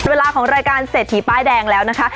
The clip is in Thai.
เวลาของรายการเศรษฐีป้ายแดงแล้วนะคะ